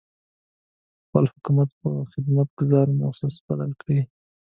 خپل حکومت په خدمت ګذاره مؤسسه بدل کړي.